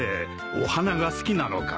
お花が好きなのかい？